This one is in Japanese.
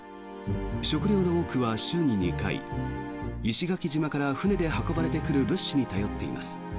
食料の多くは週に２回石垣島から船で運ばれてくる物資に頼っています。